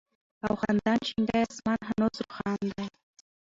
او خندان شينكى آسمان هنوز روښان دى